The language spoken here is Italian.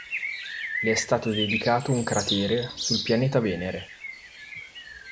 Le è stato dedicato un cratere sul pianeta Venere.